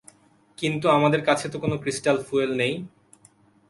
কিন্তু আমাদের কাছে তো কোনো ক্রিস্টাল ফুয়েল নেই।